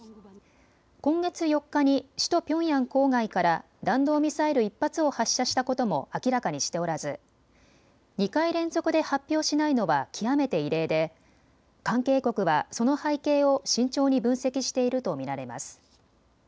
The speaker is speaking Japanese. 今月４日に首都ピョンヤン郊外から弾道ミサイル１発を発射したことも明らかにしておらず２回連続で発表しないのは極めて異例で関係国はその背景を慎重に分析していると見られます。